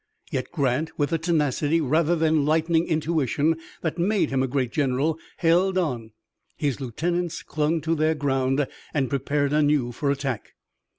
Yet Grant with the tenacity, rather than lightning intuition, that made him a great general, held on. His lieutenants clung to their ground and prepared anew for attack.